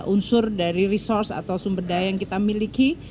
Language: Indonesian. unsur dari resource atau sumber daya yang kita miliki